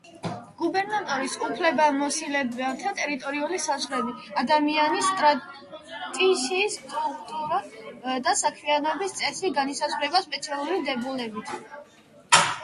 გუბერნატორის უფლებამოსილებათა ტერიტორიული საზღვრები, ადმინისტრაციის სტრუქტურა და საქმიანობის წესი განისაზღვრება სპეციალური დებულებით.